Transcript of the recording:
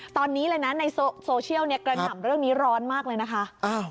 ตอนนี้ในโซเชียลกำลังถามเรื่องนี้ร้อนมากเลยนะค่ะ